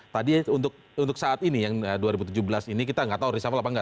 tadi untuk saat ini yang dua ribu tujuh belas ini kita nggak tahu reshuffle apa nggak